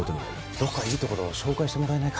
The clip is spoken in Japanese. どこかいいところを紹介してもらえないか。